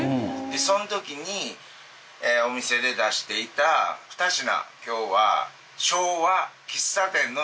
その時にお店で出していた２品。